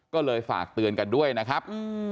ก็เลยฝากเตือนกันด้วยนะครับ